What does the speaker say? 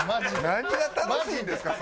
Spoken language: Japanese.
何が楽しいんですか？